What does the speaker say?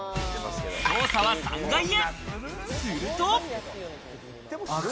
捜査は３階へ。